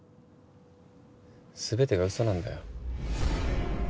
全てが嘘なんだよ。